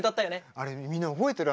あれみんな覚えてる？